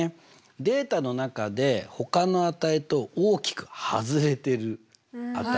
データの中で他の値と大きく外れてる値ね。